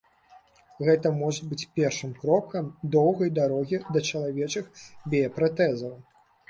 Гэта можа быць першым крокам доўгай дарогі да чалавечых біяпратэзаў.